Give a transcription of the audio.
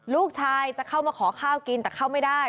ลูกชายจะเข้ามาขอข้าวกินแต่เข้าไม่ได้